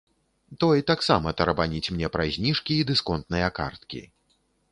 Той таксама тарабаніць мне пра зніжкі і дысконтныя карткі.